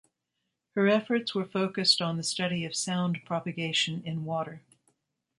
Her efforts were focused on the study of sound propagation in water.